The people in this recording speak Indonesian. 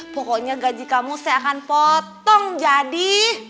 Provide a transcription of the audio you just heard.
pokoknya gaji kamu saya akan potong jadi